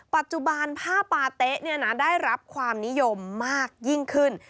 ปัจจุบันผ้าปาเต๊ะได้รับความนิยมมากยิ่งขึ้น